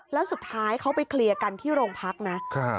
แล้วสุดท้ายเขาไปเคลียร์กันที่โรงพักนะ